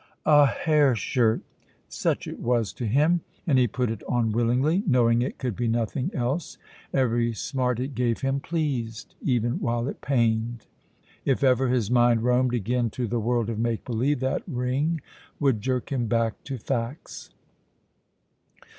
A hair shirt! Such it was to him, and he put it on willingly, knowing it could be nothing else. Every smart it gave him pleased, even while it pained. If ever his mind roamed again to the world of make believe, that ring would jerk him back to facts.